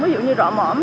ví dụ như rõ mỏm